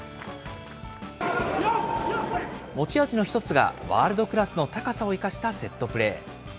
持ち味の１つが、ワールドクラスの高さを生かしたセットプレー。